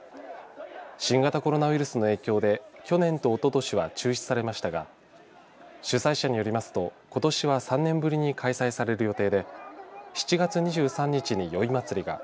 新型コロナウイルスの影響で去年とおととしは中止されましたが主催者によりますとことしは３年ぶりに開催される予定で７月２３日に宵祭りが。